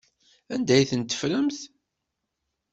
Anda ay t-teffremt?